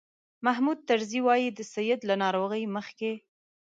محمود طرزي وایي د سید له ناروغۍ مخکې.